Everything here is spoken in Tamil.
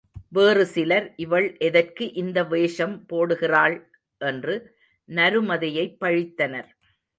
வேறு சிலர், இவள் எதற்கு இந்த வேஷம் போடுகிறாள்? என்று நருமதையைப் பழித்தனர்.